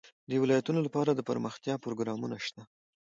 د ولایتونو لپاره دپرمختیا پروګرامونه شته دي.